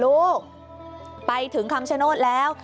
ลูกไปถึงคำชโนธแล้ว